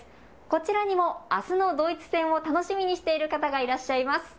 こちらにもあすのドイツ戦を楽しみにしている方がいらっしゃいます。